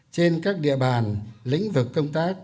trên các địa bàn lĩnh vực công tác